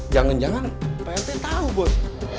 jangan jangan pak rt tau bos